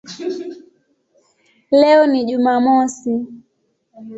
Leo ni Jumamosi".